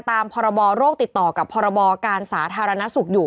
ตามพรบโรคติดต่อกับพรบการสาธารณสุขอยู่